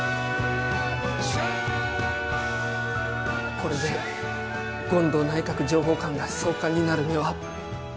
これで権藤内閣情報官が総監になる目は潰えた。